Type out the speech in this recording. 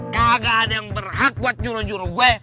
kagak ada yang berhak buat juru juru gue